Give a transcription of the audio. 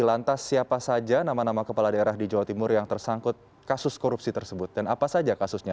lantas siapa saja nama nama kepala daerah di jawa timur yang tersangkut kasus korupsi tersebut dan apa saja kasusnya